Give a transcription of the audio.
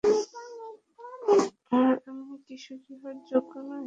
আমি কি সুখী হওয়ার যোগ্য নই?